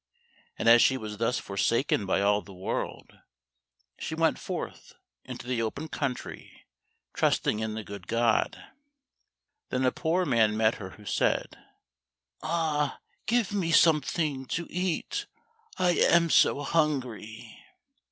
And as she was thus forsaken by all the world, she went forth into the open country, trusting in the good God. Then a poor man met her, who said, "Ah, give me something to eat, I am so hungry!"